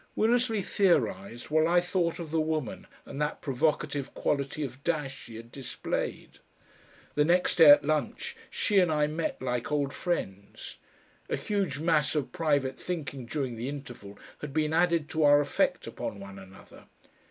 Willersley theorised while I thought of the woman and that provocative quality of dash she had displayed. The next day at lunch she and I met like old friends. A huge mass of private thinking during the interval had been added to our effect upon one another.